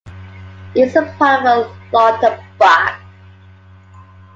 It is a part of Lauterbach.